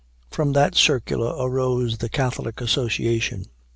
From that circular arose the Catholic Association.